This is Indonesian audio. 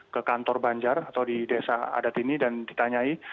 ke kantor banjar atau di desa adat ini dan ditanyai